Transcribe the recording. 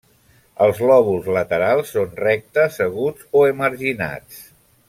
Els lòbuls laterals són rectes, aguts o emarginats.